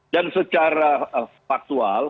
dan secara faktual